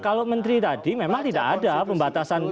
kalau menteri tadi memang tidak ada pembatasan